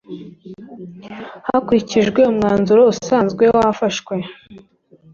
Hakurikijwe umwanzuro usanzwe wafashwe